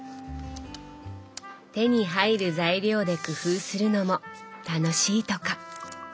手に入る材料で工夫するのも楽しいとか。